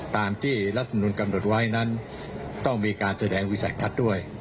ตามที่รัฐมนุนกำหนดไว้นั้นต้องมีการแสดงวิสัยทัศน์ด้วย